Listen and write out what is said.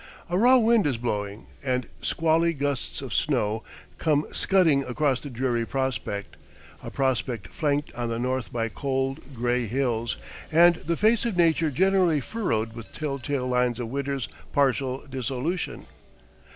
A raw wind is blowing, and squally gusts of snow come scudding across the dreary prospect a prospect flanked on the north by cold, gray hills, and the face of nature generally furrowed with tell tale lines of winter's partial dissolution.